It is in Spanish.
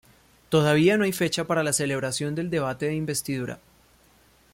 Todavía no hay fecha para la celebración del debate de investidura.